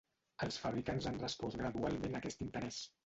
Els fabricants han respost gradualment a aquest interès.